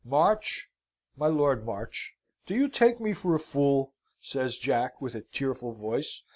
"March my Lord March, do you take me for a fool?" says Jack, with a tearful voice.